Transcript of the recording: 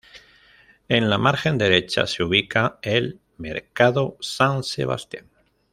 En la margen derecha se ubica el "mercado San Sebastián".